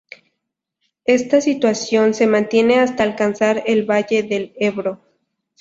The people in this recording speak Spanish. Ésta situación se mantiene hasta alcanzar el valle del Ebro.